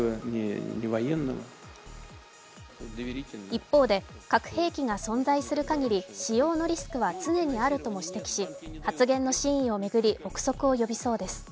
一方で、核兵器が存在するかぎり使用のリスクは常にあるとも指摘し発言の真意を巡り憶測を呼びそうです。